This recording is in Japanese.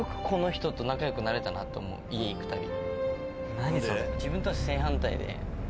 何それ？